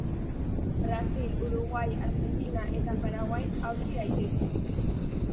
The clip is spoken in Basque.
Brasil, Uruguai, Argentina eta Paraguain aurki daitezke.